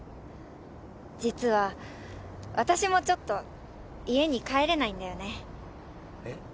実は私もちょっと家に帰れないんだよねえっ？